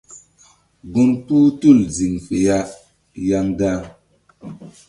Gun kpuh tul ziŋ fe ya yaŋda.